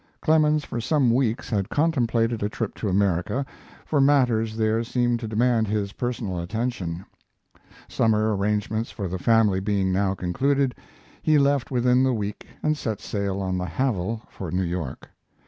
Clemens for some weeks had contemplated a trip to America, for matters there seemed to demand his personal attention. Summer arrangements for the family being now concluded, he left within the week and set sail on the Havel for New York.